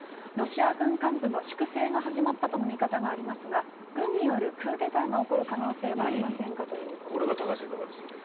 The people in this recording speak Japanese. ロシア軍幹部の粛清が始まったとの見方がありますが軍によるクーデターが起こる可能性はありませんか？ということです。